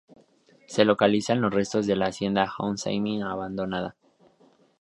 Se localizan los restos de la hacienda hoy semi-abandonada.